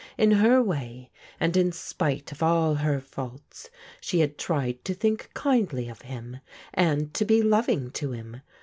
In her way, and in spite of all her faults, she had tried to think kindly of him, and to be loving to him.